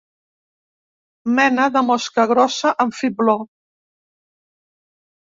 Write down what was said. Mena de mosca grossa amb fibló.